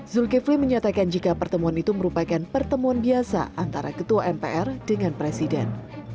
zulkifli menyatakan jika pertemuan itu merupakan pertemuan biasa antara ketua mpr dengan presiden